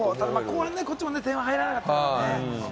後半こっちも点が入らなかったからね。